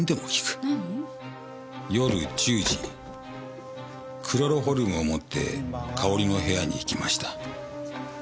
夜１０時クロロホルムを持ってかおりの部屋に行きました。